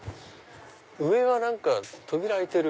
上は扉開いてる。